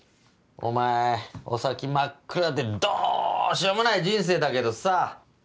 お前お先真っ暗でどうしようもない人生だけどさ。